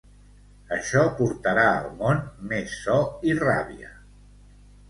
Això portarà al món més so i ràbia.